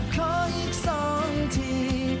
ขออีกสองที